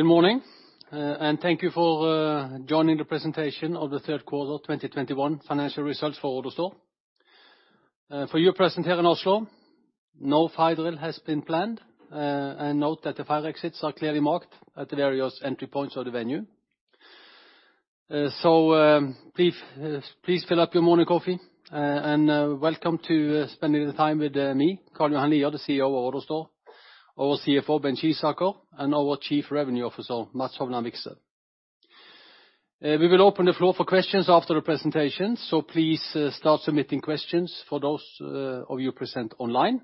Good morning. Thank you for joining the presentation of the third quarter 2021 financial results for AutoStore. For those present here in Oslo, no fire drill has been planned. Note that the fire exits are clearly marked at the various entry points of the venue. Please fill up your morning coffee and welcome to spending the time with me, Karl Johan Lier, the CEO of AutoStore, our CFO, Bent Skisaker, and our Chief Revenue Officer, Mats Hovland Vikse. We will open the floor for questions after the presentation. Please start submitting questions for those of you present online.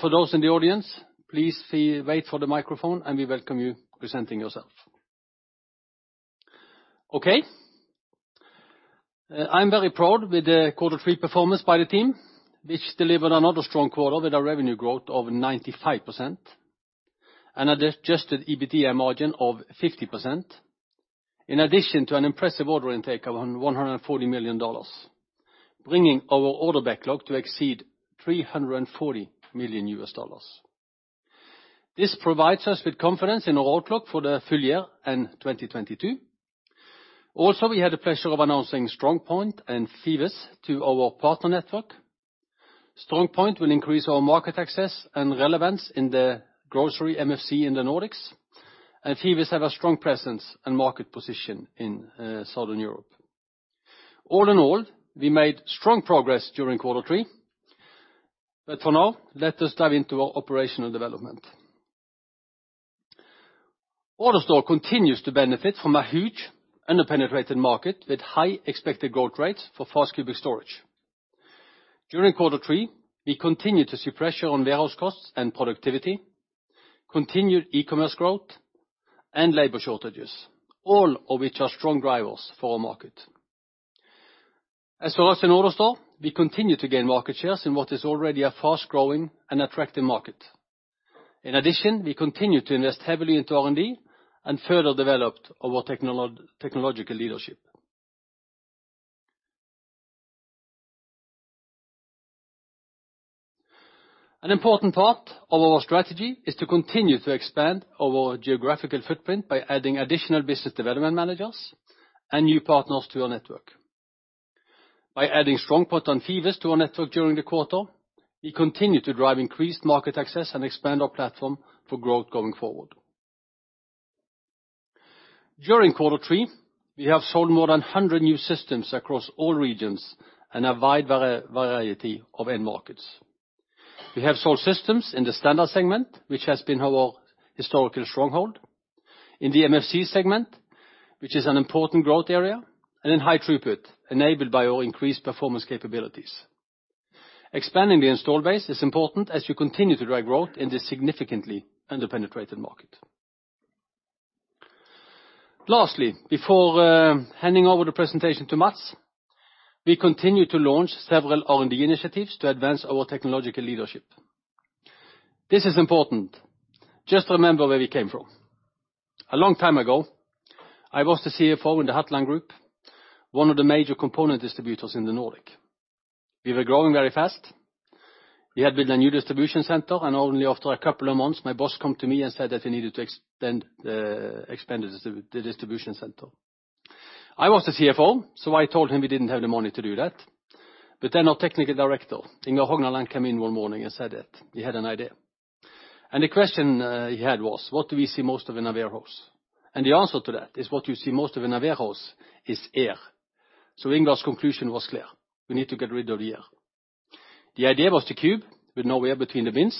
For those in the audience, please wait for the microphone, and we welcome you presenting yourself. Okay. I'm very proud with the quarter three performance by the team, which delivered another strong quarter with our revenue growth of 95% and adjusted EBITDA margin of 50%. In addition to an impressive order intake of $140 million, bringing our order backlog to exceed $340 million. This provides us with confidence in our outlook for the full year in 2022. Also, we had the pleasure of announcing StrongPoint and Fives to our partner network. StrongPoint will increase our market access and relevance in the grocery MFC in the Nordics, and Fives have a strong presence and market position in Southern Europe. All in all, we made strong progress during quarter three. For now, let us dive into our operational development. AutoStore continues to benefit from a huge under-penetrated market with high expected growth rates for fast cubic storage. During quarter three, we continued to see pressure on warehouse costs and productivity, continued e-commerce growth, and labor shortages, all of which are strong drivers for our market. As for us in AutoStore, we continue to gain market shares in what is already a fast-growing and attractive market. In addition, we continue to invest heavily into R&D and further developed our technological leadership. An important part of our strategy is to continue to expand our geographical footprint by adding additional business development managers and new partners to our network. By adding StrongPoint and Fives to our network during the quarter, we continue to drive increased market access and expand our platform for growth going forward. During quarter three, we have sold more than 100 new systems across all regions and a wide variety of end markets. We have sold systems in the standard segment, which has been our historical stronghold, in the MFC segment, which is an important growth area, and in high throughput, enabled by our increased performance capabilities. Expanding the install base is important as we continue to drive growth in this significantly under-penetrated market. Lastly, before handing over the presentation to Mats, we continue to launch several R&D initiatives to advance our technological leadership. This is important. Just remember where we came from. A long time ago, I was the CFO in the Hatteland Group, one of the major component distributors in the Nordic. We were growing very fast. We had built a new distribution center, and only after a couple of months, my boss come to me and said that he needed to expand the distribution center. I was the CFO, so I told him we didn't have the money to do that. Our technical director, Ingvar Hognaland, came in one morning and said that he had an idea. The question he had was, what do we see most of in a warehouse? The answer to that is what you see most of in a warehouse is air. Ingvar's conclusion was clear, we need to get rid of the air. The idea was to cube with no air between the bins.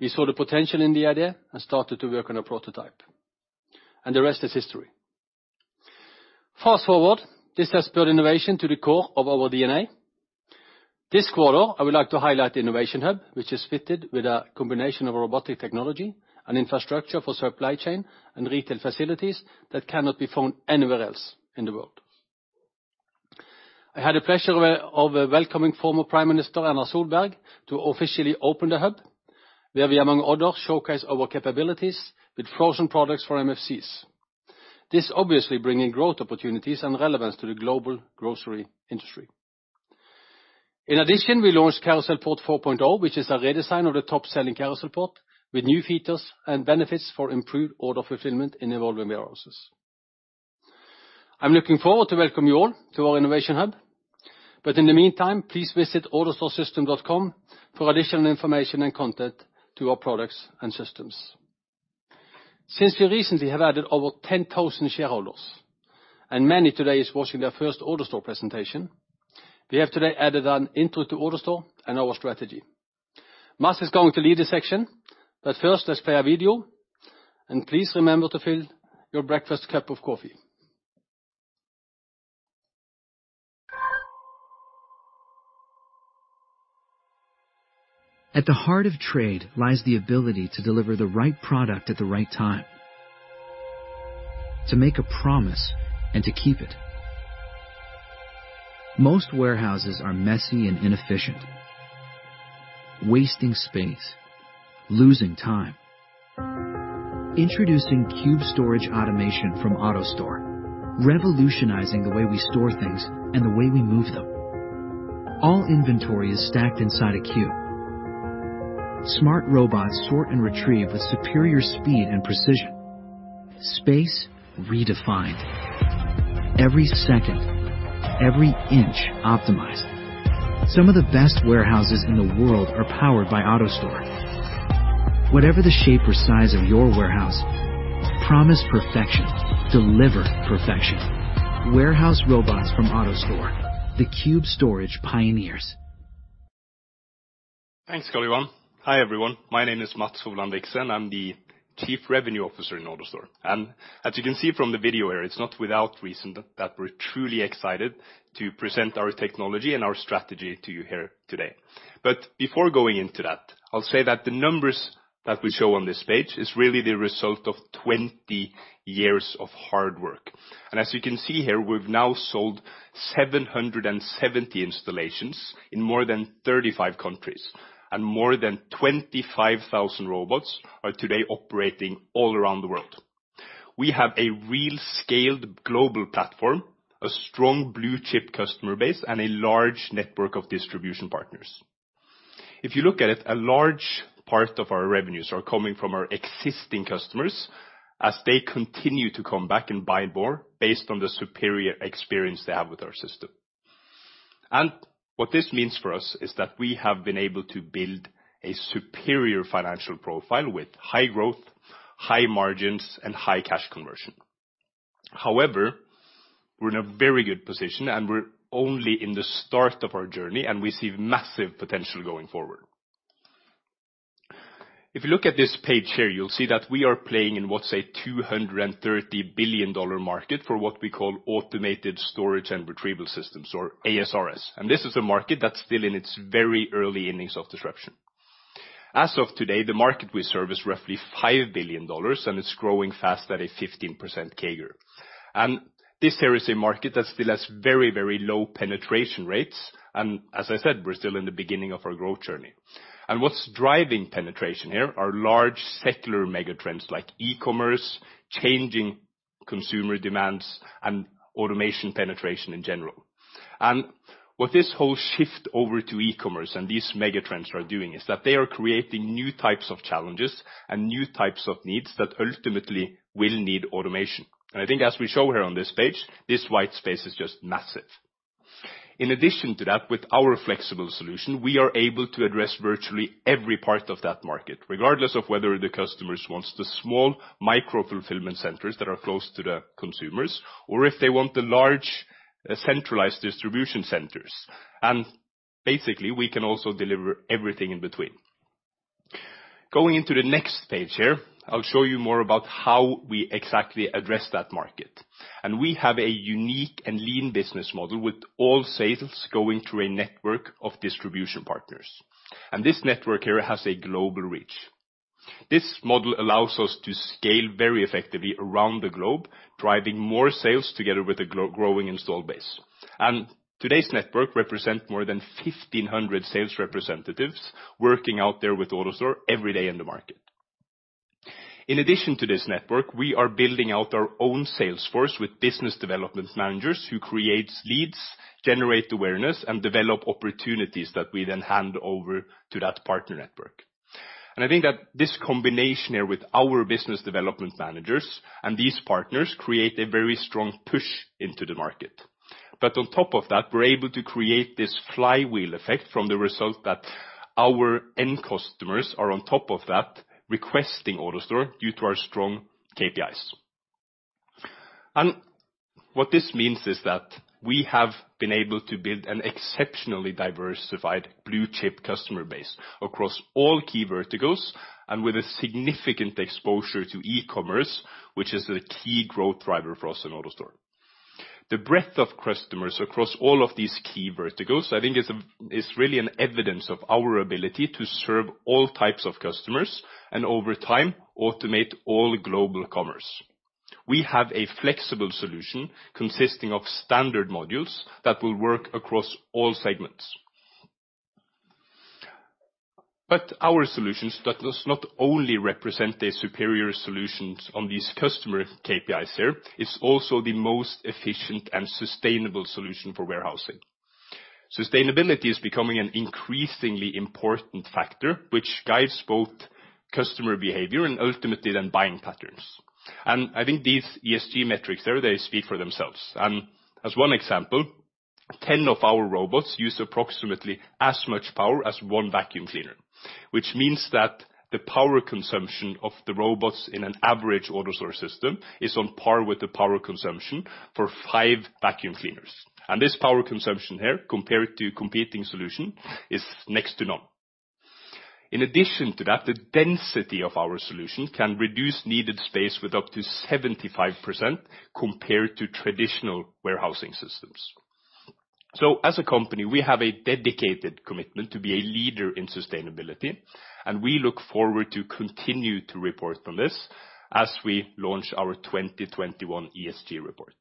We saw the potential in the idea and started to work on a prototype. The rest is history. Fast forward, this has built innovation to the core of our DNA. This quarter, I would like to highlight the Innovation Hub, which is fitted with a combination of robotic technology and infrastructure for supply chain and retail facilities that cannot be found anywhere else in the world. I had the pleasure of welcoming former Prime Minister Erna Solberg to officially open the hub, where we, among others, showcase our capabilities with frozen products for MFCs. This obviously bringing growth opportunities and relevance to the global grocery industry. In addition, we launched CarouselPort 4.0, which is a redesign of the top-selling CarouselPort with new features and benefits for improved order fulfillment in evolving warehouses. I'm looking forward to welcome you all to our Innovation Hub, but in the meantime, please visit autostoresystem.com for additional information and content to our products and systems. Since we recently have added over 10,000 shareholders, and many today are watching their first AutoStore presentation, we have today added an intro to AutoStore and our strategy. Mats is going to lead this section, but first, let's play a video. Please remember to fill your breakfast cup of coffee. At the heart of trade lies the ability to deliver the right product at the right time, to make a promise and to keep it. Most warehouses are messy and inefficient, wasting space, losing time. Introducing Cube Storage automation from AutoStore, revolutionizing the way we store things and the way we move them. All inventory is stacked inside a cube. Smart robots sort and retrieve with superior speed and precision. Space redefined. Every second, every inch optimized. Some of the best warehouses in the world are powered by AutoStore. Whatever the shape or size of your warehouse, promise perfection, deliver perfection. Warehouse robots from AutoStore, the Cube Storage pioneers. Thanks, Karl Johan. Hi, everyone. My name is Mats Hovland Vikse. I'm the Chief Revenue Officer in AutoStore. As you can see from the video here, it's not without reason that we're truly excited to present our technology and our strategy to you here today. Before going into that, I'll say that the numbers that we show on this page is really the result of 20 years of hard work. As you can see here, we've now sold 770 installations in more than 35 countries, and more than 25,000 robots are today operating all around the world. We have a real scaled global platform, a strong blue-chip customer base, and a large network of distribution partners. If you look at it, a large part of our revenues are coming from our existing customers as they continue to come back and buy more based on the superior experience they have with our system. What this means for us is that we have been able to build a superior financial profile with high growth, high margins, and high cash conversion. However, we're in a very good position, and we're only in the start of our journey, and we see massive potential going forward. If you look at this page here, you'll see that we are playing in what's a $230 billion market for what we call automated storage and retrieval systems or ASRS. This is a market that's still in its very early innings of disruption. As of today, the market we serve is roughly $5 billion, and it's growing fast at a 15% CAGR. This here is a market that still has very, very low penetration rates. As I said, we're still in the beginning of our growth journey. What's driving penetration here are large secular megatrends like e-commerce, changing consumer demands, and automation penetration in general. What this whole shift over to e-commerce and these megatrends are doing is that they are creating new types of challenges and new types of needs that ultimately will need automation. I think as we show here on this page, this white space is just massive. In addition to that, with our flexible solution, we are able to address virtually every part of that market, regardless of whether the customers wants the small micro fulfillment centers that are close to the consumers or if they want the large centralized distribution centers. Basically, we can also deliver everything in between. Going into the next page here, I'll show you more about how we exactly address that market. We have a unique and lean business model with all sales going through a network of distribution partners. This network here has a global reach. This model allows us to scale very effectively around the globe, driving more sales together with a growing install base. Today's network represent more than 1,500 sales representatives working out there with AutoStore every day in the market. In addition to this network, we are building out our own sales force with business development managers who create leads, generate awareness, and develop opportunities that we then hand over to that partner network. I think that this combination here with our business development managers and these partners create a very strong push into the market. On top of that, we're able to create this flywheel effect from the result that our end customers are on top of that, requesting AutoStore due to our strong KPIs. What this means is that we have been able to build an exceptionally diversified blue-chip customer base across all key verticals and with a significant exposure to e-commerce, which is a key growth driver for us in AutoStore. The breadth of customers across all of these key verticals, I think is really evidence of our ability to serve all types of customers and over time, automate all global commerce. We have a flexible solution consisting of standard modules that will work across all segments. Our solutions that does not only represent a superior solutions on these customer KPIs here, it's also the most efficient and sustainable solution for warehousing. Sustainability is becoming an increasingly important factor which guides both customer behavior and ultimately then buying patterns. I think these ESG metrics there, they speak for themselves. As one example, 10 of our robots use approximately as much power as one vacuum cleaner, which means that the power consumption of the robots in an average AutoStore system is on par with the power consumption for five vacuum cleaners. This power consumption here, compared to competing solution, is next to none. In addition to that, the density of our solution can reduce needed space with up to 75% compared to traditional warehousing systems. As a company, we have a dedicated commitment to be a leader in sustainability, and we look forward to continue to report on this as we launch our 2021 ESG report.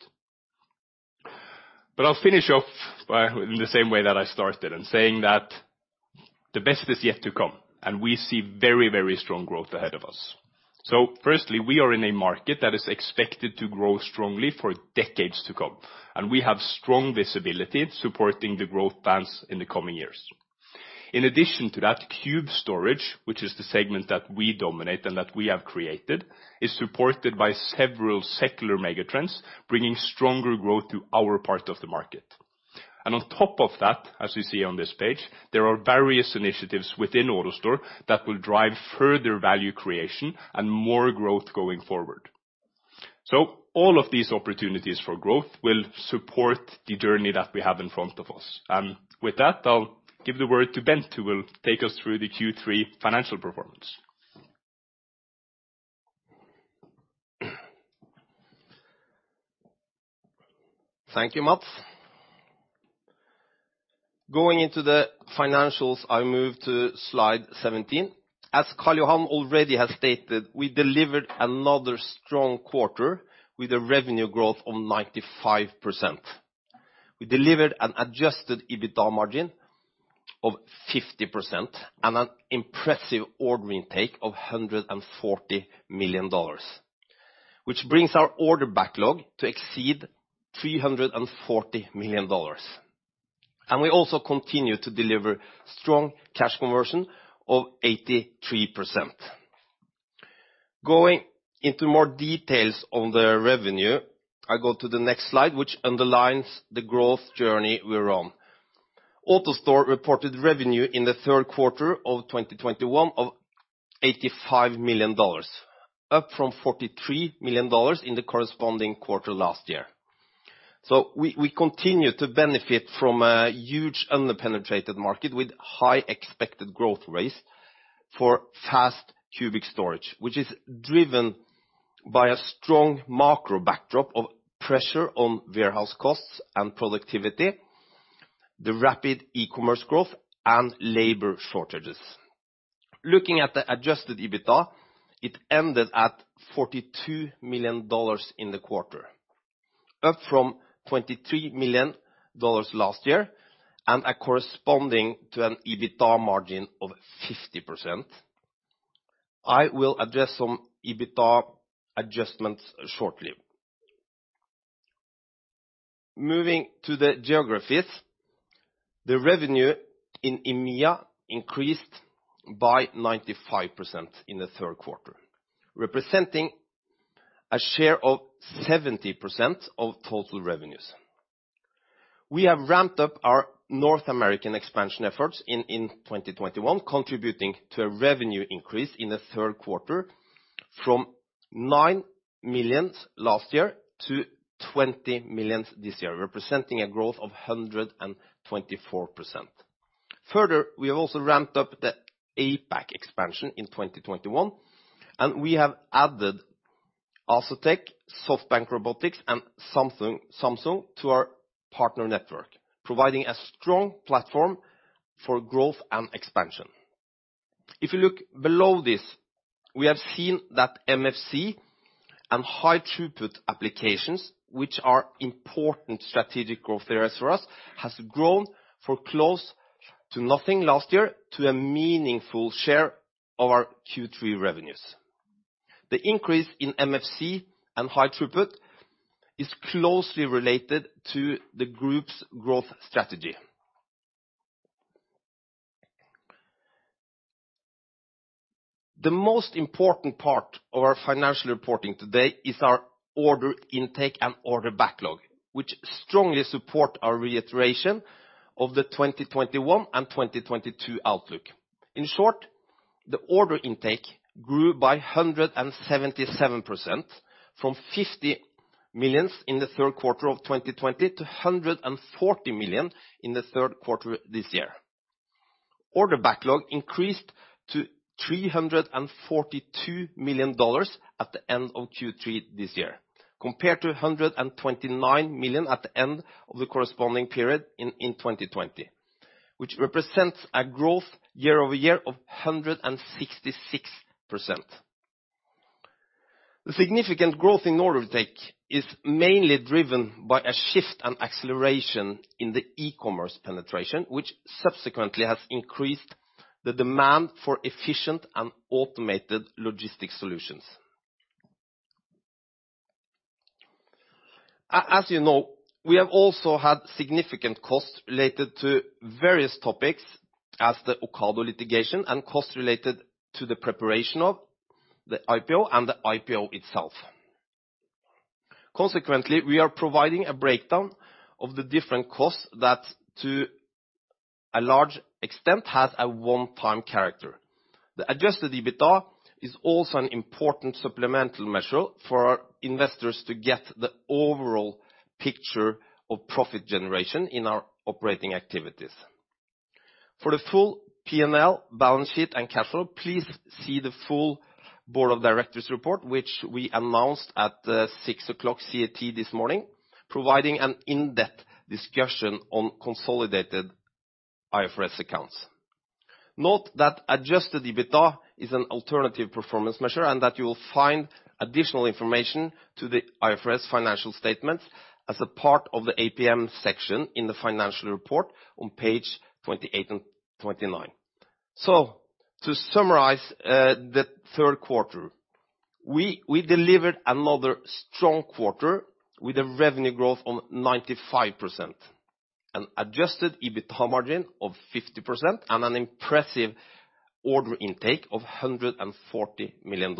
I'll finish off by, in the same way that I started, in saying that the best is yet to come, and we see very, very strong growth ahead of us. Firstly, we are in a market that is expected to grow strongly for decades to come, and we have strong visibility supporting the growth plans in the coming years. In addition to that Cube Storage, which is the segment that we dominate and that we have created, is supported by several secular megatrends, bringing stronger growth to our part of the market. On top of that, as you see on this page, there are various initiatives within AutoStore that will drive further value creation and more growth going forward. All of these opportunities for growth will support the journey that we have in front of us. With that, I'll give the word to Bent, who will take us through the Q3 financial performance. Thank you, Mats. Going into the financials, I move to slide 17. As Karl Johan already has stated, we delivered another strong quarter with a revenue growth of 95%. We delivered an adjusted EBITDA margin of 50% and an impressive order intake of $140 million, which brings our order backlog to exceed $340 million. We also continue to deliver strong cash conversion of 83%. Going into more details on the revenue, I go to the next slide, which underlines the growth journey we're on. AutoStore reported revenue in the third quarter of 2021 of $85 million, up from $43 million in the corresponding quarter last year. We continue to benefit from a huge under-penetrated market with high expected growth rates for fast cubic storage, which is driven by a strong macro backdrop of pressure on warehouse costs and productivity, the rapid e-commerce growth, and labor shortages. Looking at the adjusted EBITDA, it ended at $42 million in the quarter, up from $23 million last year, and corresponding to an EBITDA margin of 50%. I will address some EBITDA adjustments shortly. Moving to the geographies, the revenue in EMEA increased by 95% in the third quarter, representing a share of 70% of total revenues. We have ramped up our North American expansion efforts in 2021, contributing to a revenue increase in the third quarter from $9 million last year to $20 million this year, representing a growth of 124%. Further, we have also ramped up the APAC expansion in 2021, and we have added Asetec, SoftBank Robotics, and Samsung to our partner network, providing a strong platform for growth and expansion. If you look below this, we have seen that MFC and high throughput applications, which are important strategic growth areas for us, has grown from close to nothing last year to a meaningful share of our Q3 revenues. The increase in MFC and high throughput is closely related to the group's growth strategy. The most important part of our financial reporting today is our order intake and order backlog, which strongly support our reiteration of the 2021 and 2022 outlook. In short, the order intake grew by 177% from $50 million in the third quarter of 2020 to $140 million in the third quarter this year. Order backlog increased to $342 million at the end of Q3 this year, compared to $129 million at the end of the corresponding period in 2020, which represents a year-over-year growth of 166%. The significant growth in order intake is mainly driven by a shift and acceleration in the e-commerce penetration, which subsequently has increased the demand for efficient and automated logistics solutions. As you know, we have also had significant costs related to various topics as the Ocado litigation and costs related to the preparation of the IPO and the IPO itself. Consequently, we are providing a breakdown of the different costs that to a large extent has a one-time character. The adjusted EBITDA is also an important supplemental measure for our investors to get the overall picture of profit generation in our operating activities. For the full P&L, balance sheet, and cash flow, please see the full Board of Directors report, which we announced at 6:00 A.M. CET this morning, providing an in-depth discussion on consolidated IFRS accounts. Note that adjusted EBITDA is an alternative performance measure and that you will find additional information to the IFRS financial statements as a part of the APM section in the financial report on page 28 and 29. To summarize, the third quarter, we delivered another strong quarter with a revenue growth of 95%, an adjusted EBITDA margin of 50% and an impressive order intake of $140 million.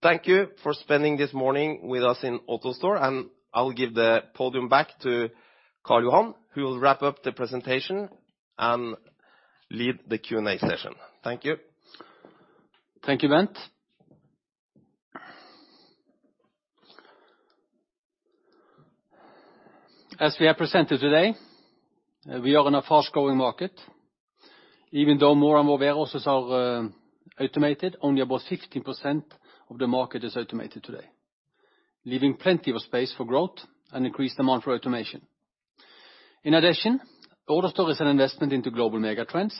Thank you for spending this morning with us in AutoStore, and I'll give the podium back to Karl Johan Lier, who will wrap up the presentation and lead the Q&A session. Thank you. Thank you, Bent. As we have presented today, we are in a fast-growing market. Even though more and more warehouses are automated, only about 15% of the market is automated today, leaving plenty of space for growth and increased demand for automation. In addition, AutoStore is an investment into global mega trends.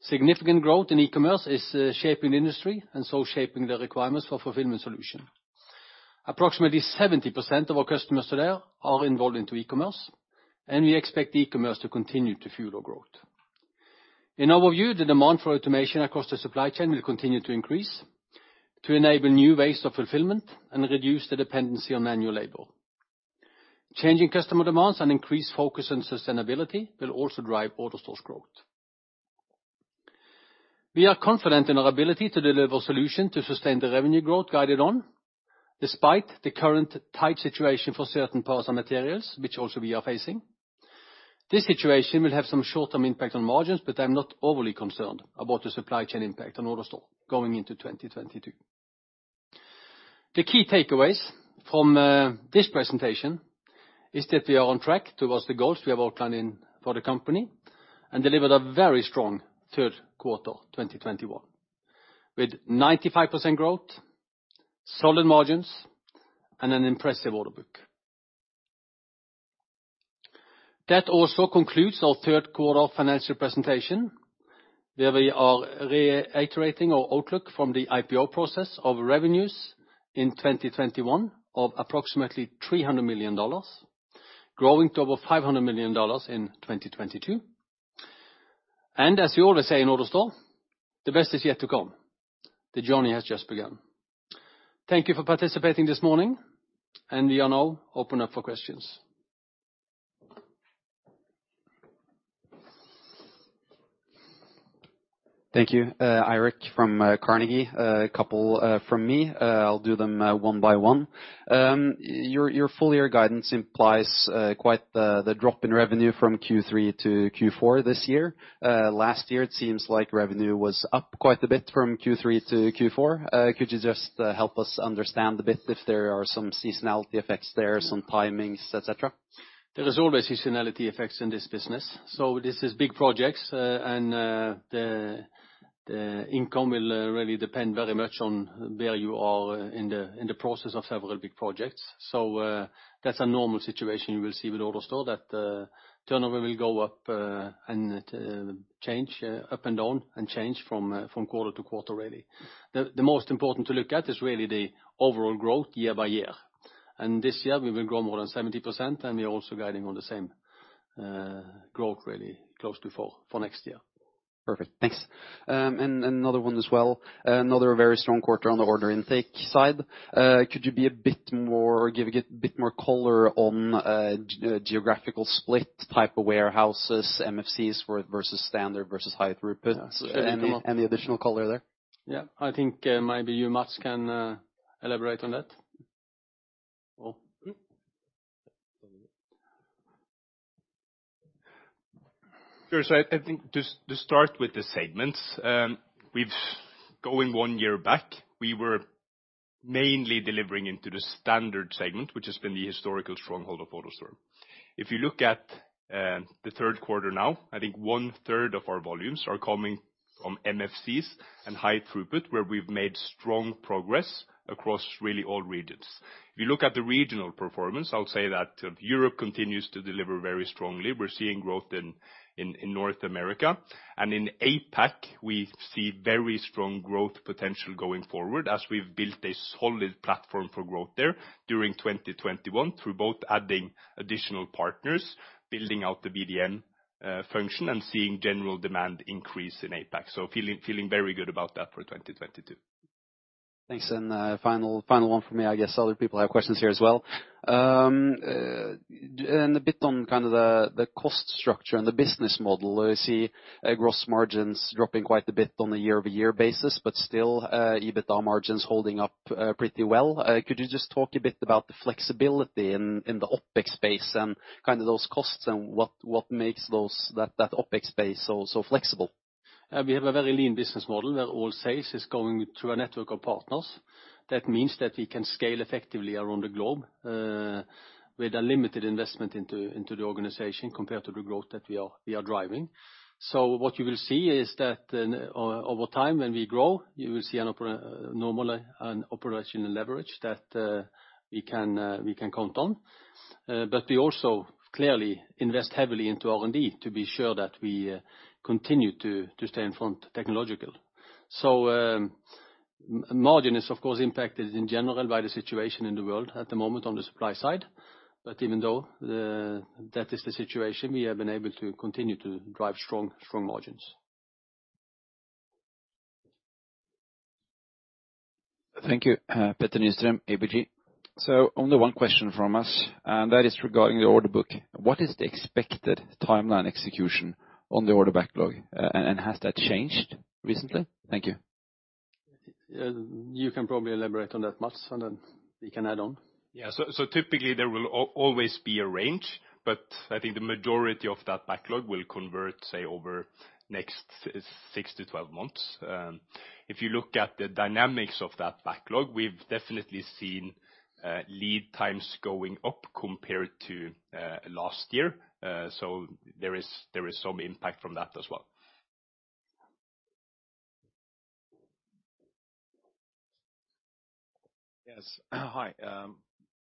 Significant growth in e-commerce is shaping the industry and so shaping the requirements for fulfillment solution. Approximately 70% of our customers today are involved in e-commerce, and we expect e-commerce to continue to fuel our growth. In our view, the demand for automation across the supply chain will continue to increase to enable new ways of fulfillment and reduce the dependency on manual labor. Changing customer demands and increased focus on sustainability will also drive AutoStore's growth. We are confident in our ability to deliver solution to sustain the revenue growth guided on despite the current tight situation for certain parts and materials which also we are facing. This situation will have some short-term impact on margins, but I'm not overly concerned about the supply chain impact on AutoStore going into 2022. The key takeaways from this presentation is that we are on track towards the goals we have outlined for the company and delivered a very strong third quarter, 2021, with 95% growth, solid margins, and an impressive order book. That also concludes our third quarter financial presentation, where we are reiterating our outlook from the IPO process of revenues in 2021 of approximately $300 million, growing to over $500 million in 2022. As we always say in AutoStore, the best is yet to come. The journey has just begun. Thank you for participating this morning, and we are now opening up for questions. Thank you. Eirik from Carnegie. A couple from me. I'll do them one by one. Your full year guidance implies quite the drop in revenue from Q3 to Q4 this year. Last year it seems like revenue was up quite a bit from Q3 to Q4. Could you just help us understand a bit if there are some seasonality effects there, some timings, et cetera? There is always seasonality effects in this business. This is big projects, and the income will really depend very much on where you are in the process of several big projects. That's a normal situation you will see with AutoStore that turnover will go up and change up and down and change from quarter to quarter really. The most important to look at is really the overall growth year by year. This year we will grow more than 70%, and we are also guiding on the same growth really close to full for next year. Perfect. Thanks. Another one as well, another very strong quarter on the order intake side. Could you give a bit more color on geographical split, type of warehouses, MFCs versus standard versus high throughput? Any additional color there? Yeah. I think maybe you, Mats, can elaborate on that. Sure. I think to start with the segments, going one year back, we were mainly delivering into the standard segment, which has been the historical stronghold of AutoStore. If you look at the third quarter now, I think 1/3 of our volumes are coming from MFCs and high throughput, where we've made strong progress across really all regions. If you look at the regional performance, I'll say that Europe continues to deliver very strongly. We're seeing growth in North America. In APAC, we see very strong growth potential going forward as we've built a solid platform for growth there during 2021 through both adding additional partners, building out the BDM function, and seeing general demand increase in APAC. Feeling very good about that for 2022. Thanks. Final one for me. I guess other people have questions here as well. A bit on kind of the cost structure and the business model. I see gross margins dropping quite a bit on a year-over-year basis, but still EBITDA margins holding up pretty well. Could you just talk a bit about the flexibility in the OpEx space and kind of those costs and what makes that OpEx space so flexible? We have a very lean business model where all sales is going through a network of partners. That means that we can scale effectively around the globe, with a limited investment into the organization compared to the growth that we are driving. What you will see is that, over time, when we grow, you will see an operational leverage that we can count on. But we also clearly invest heavily into R&D to be sure that we continue to stay in front technologically. Margin is of course impacted in general by the situation in the world at the moment on the supply side. Even though that is the situation, we have been able to continue to drive strong margins. Thank you. Petter Nystrøm, ABG. Only one question from us, and that is regarding the order book. What is the expected timeline execution on the order backlog, and has that changed recently? Thank you. You can probably elaborate on that, Mats, and then we can add on. Typically there will always be a range, but I think the majority of that backlog will convert, say, over next six-12 months. If you look at the dynamics of that backlog, we've definitely seen lead times going up compared to last year. There is some impact from that as well. Yes. Hi.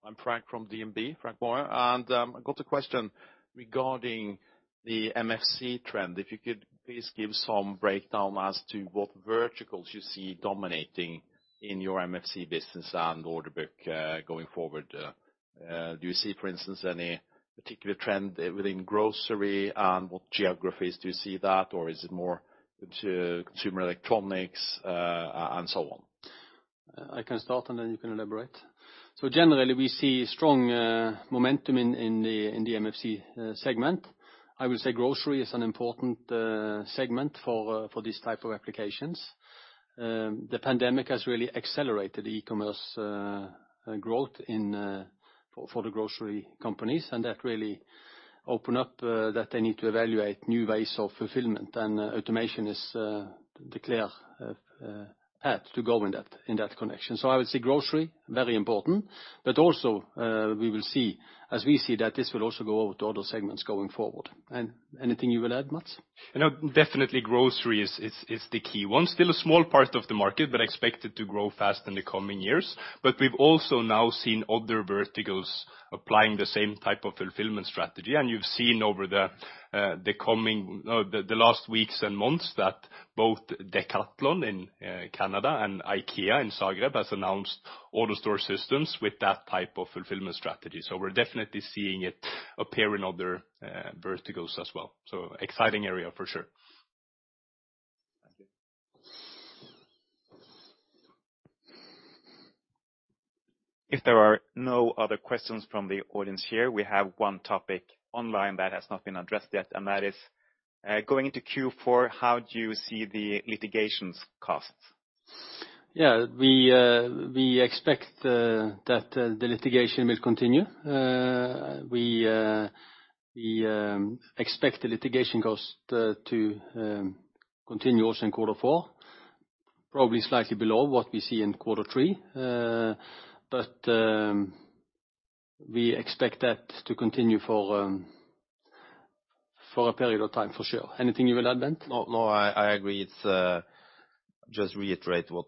I'm Frank from DNB, Frank Maaø. I've got a question regarding the MFC trend. If you could please give some breakdown as to what verticals you see dominating in your MFC business and order book, going forward. Do you see, for instance, any particular trend within grocery, and what geographies do you see that? Or is it more to consumer electronics, and so on? I can start, and then you can elaborate. Generally, we see strong momentum in the MFC segment. I will say grocery is an important segment for these type of applications. The pandemic has really accelerated e-commerce growth for the grocery companies, and that really open up that they need to evaluate new ways of fulfillment. Automation is the clear path to go in that connection. I would say grocery, very important. Also, we will see, as we see that this will also go over to other segments going forward. Anything you would add, Mats? No, definitely grocery is the key one. Still a small part of the market, but expected to grow fast in the coming years. We've also now seen other verticals applying the same type of fulfillment strategy. You've seen over the last weeks and months that both Decathlon in Canada and IKEA in Zagreb has announced AutoStore systems with that type of fulfillment strategy. We're definitely seeing it appear in other verticals as well. Exciting area for sure. Thank you. If there are no other questions from the audience here, we have one topic online that has not been addressed yet, and that is, going into Q4, how do you see the litigation costs? Yeah. We expect that the litigation will continue. We expect the litigation cost to continue also in quarter four, probably slightly below what we see in quarter three. We expect that to continue for a period of time for sure. Anything you would add, Bent? No, I agree. It's just reiterate what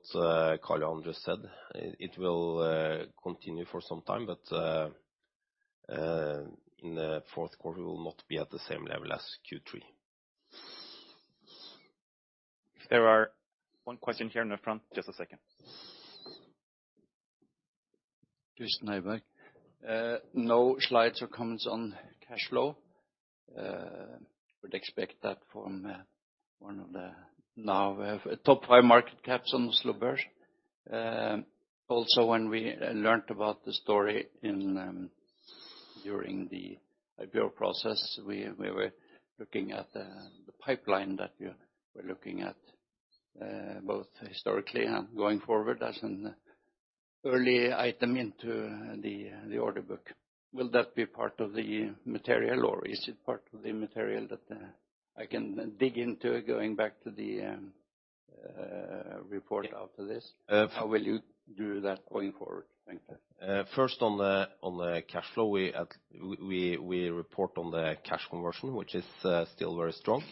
Karl Johan just said. It will continue for some time, but in the fourth quarter, we will not be at the same level as Q3. One question here in the front. Just a second. Chris Nyborg. No slides or comments on cash flow. Would expect that from one of the now we have top five market caps on the Oslo Børs. Also, when we learned about the story during the IPO process, we were looking at the pipeline that you were looking at both historically and going forward as an early item into the order book. Will that be part of the material, or is it part of the material that I can dig into going back to the report after this? How will you do that going forward? Thank you. First on the cash flow, we report on the cash conversion, which is still very strong.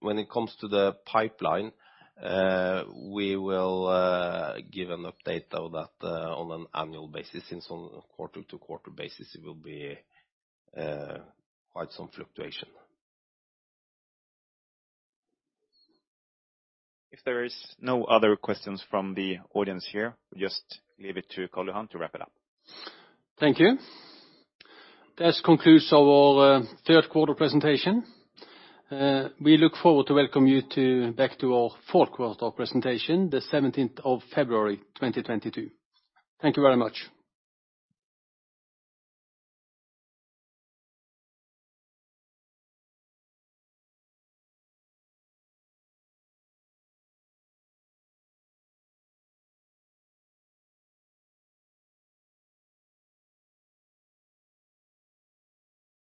When it comes to the pipeline, we will give an update of that on an annual basis since on a quarter-to-quarter basis it will be quite some fluctuation. If there is no other questions from the audience here, we just leave it to Karl Johan to wrap it up. Thank you. That concludes our third quarter presentation. We look forward to welcome you back to our fourth quarter presentation, the 17th of February, 2022. Thank you very much.